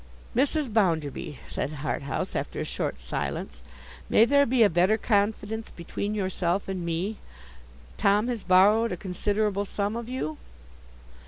'Mrs. Bounderby,' said Harthouse, after a short silence, 'may there be a better confidence between yourself and me? Tom has borrowed a considerable sum of you?